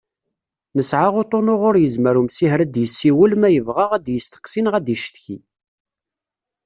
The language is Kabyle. Nesɛa uṭṭun uɣur yezmer umsiher ad d-yessiwel ma yebɣa ad d-yesteqsi neɣ ad icetki.